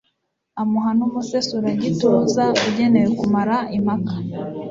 amuha n'umusesuragituza ugenewe kumara impaka